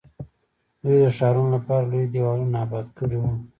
دوی د ښارونو لپاره لوی دیوالونه اباد کړي وو.